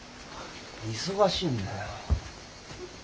忙しいんだよ。